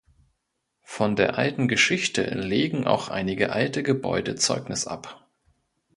Von der alten Geschichte legen auch einige alte Gebäude Zeugnis ab.